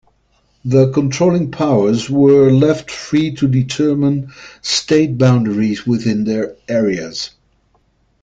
The controlling powers were left free to determine state boundaries within their areas.